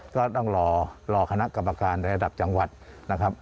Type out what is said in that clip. ก็ต้องรอคณะกรรมการในระดับจังหวัดนะครับ